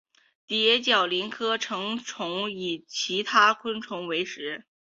蝶角蛉科成虫以其他昆虫为食。